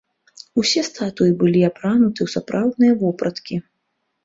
Усе статуі былі апрануты ў сапраўдныя вопраткі.